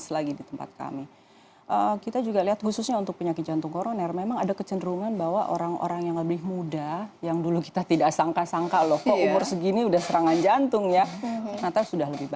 jadi kita lihat khususnya untuk penyakit jantung koroner memang ada kecenderungan bahwa orang orang yang lebih muda yang dulu kita tidak sangka sangka loh kok umur segini sudah serangan jantung ya ternyata sudah lebih banyak